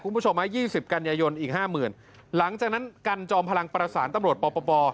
คุณผู้ชมฮะยี่สิบกันยายนอีกห้าหมื่นหลังจากนั้นกันจอมพลังประสานตำรวจปป